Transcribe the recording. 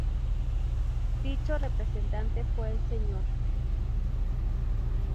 Dicho representante fue el Sr.